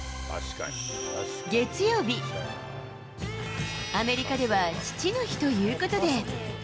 月曜日、アメリカでは父の日ということで。